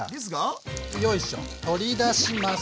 よいしょ取り出します。